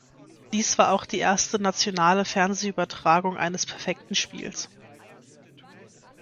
Dies war auch die erste „nationale“ Fernsehübertragung eines perfekten Spiels.